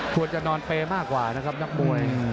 ควรจะนอนเปย์มากกว่านะครับนักมวย